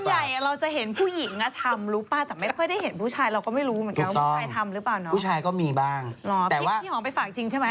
แต่ว่าพี่หอมไปฝากจริงใช่ไหม